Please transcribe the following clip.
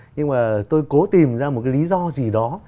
nhưng mà tôi cố tìm ra một cái lý do gì đó